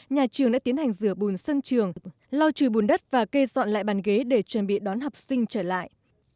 nhà trường đã tiến hành rửa bùn sân trường lau chùi bùn đất và kê dọn lại bàn ghế để chuẩn bị đón học sinh trở lại